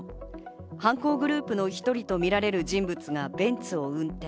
犯行グループの一人とみられる人物がベンツを運転。